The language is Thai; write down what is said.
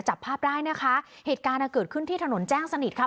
จับภาพได้นะคะเหตุการณ์อ่ะเกิดขึ้นที่ถนนแจ้งสนิทค่ะ